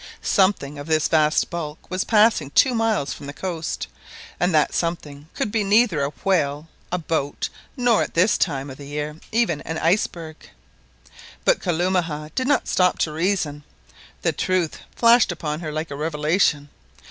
Something of vast bulk was passing two miles from the coast, and that something could be neither a whale, a boat, nor, at this time of the year, even an iceberg. But Kalumah did not stop to reason. The truth flashed upon her like a revelation.